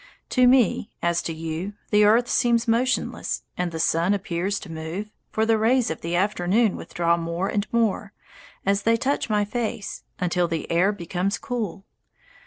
To me, as to you, the earth seems motionless, and the sun appears to move; for the rays of the afternoon withdraw more and more, as they touch my face, until the air becomes cool.